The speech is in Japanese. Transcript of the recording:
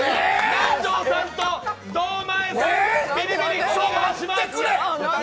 南條さんと堂前さん、ビリビリお願いします。